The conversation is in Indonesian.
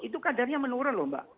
itu kadarnya menurun loh mbak